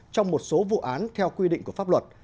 trong một số vụ án theo quy định của pháp luật